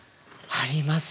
あります。